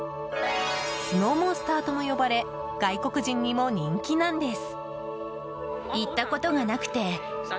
スノーモンスターとも呼ばれ外国人にも人気なんです。